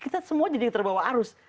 kita semua jadi terbawa arus